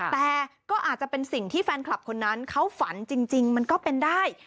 แต่ก็อาจจะเป็นสิ่งที่แฟนคลับคนนั้นเขาฝันจริงมันก็เป็นได้